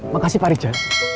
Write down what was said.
makasih pak rija